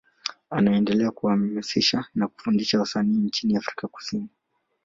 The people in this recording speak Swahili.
Anaendelea kuhamasisha na kufundisha wasanii nchini Afrika Kusini.